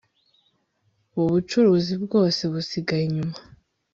ubu bucuruzi bwose bwasigaye inyuma